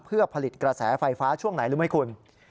เพื่อผลิตกระแสไฟฟ้าช่วงไหนรู้ไหมคุณ